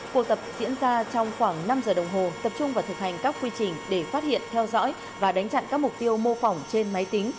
cuộc tập diễn ra trong khoảng năm giờ đồng hồ tập trung vào thực hành các quy trình để phát hiện theo dõi và đánh chặn các mục tiêu mô phỏng trên máy tính